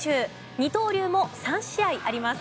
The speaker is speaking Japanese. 二刀流も３試合あります。